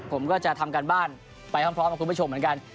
ผมก็จะทำการบ้านไปพร้อมกับคุณผู้ชมเหมือนกัน